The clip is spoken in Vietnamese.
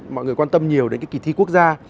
mọi người quan tâm nhiều đến cái kỳ thi quốc gia